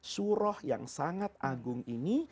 surah yang sangat agung ini